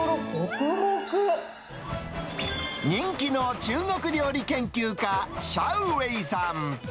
人気の中国料理研究家、シャウ・ウェイさん。